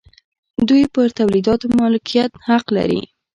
دوی پر تولیداتو مالکیت حق لري.